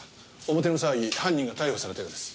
表の騒ぎ犯人が逮捕されたようです。